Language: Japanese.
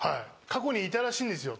過去にいたらしいんですよ。